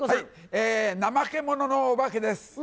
ナマケモノのお化けです。